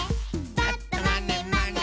「ぱっとまねまね」